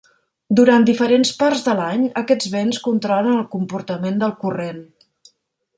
Durant diferents parts de l'any, aquests vents controlen el comportament del corrent.